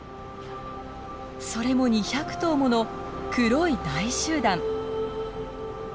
それも２００頭もの黒い大集団。